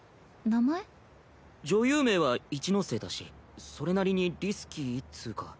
女優名は一ノ瀬だしそれなりにリスキーっつぅか